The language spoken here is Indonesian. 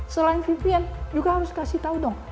selain vpn juga harus kasih tau dong